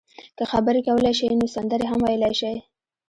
که خبرې کولای شئ نو سندرې هم ویلای شئ.